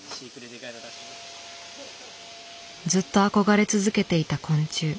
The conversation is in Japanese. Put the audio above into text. ずっと憧れ続けていた昆虫。